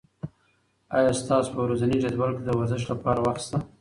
آیا ستاسو په ورځني جدول کې د ورزش لپاره وخت شته؟